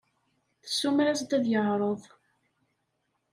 Tessumer-as-d ad yeɛreḍ.